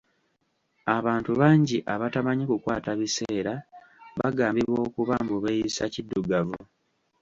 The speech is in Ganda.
Abantu bangi abatamanyi kukwata biseera bagambibwa okuba mbu beeyisa kiddugavu.